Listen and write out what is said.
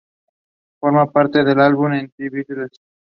Forma parte del álbum de The Beatles "Sgt.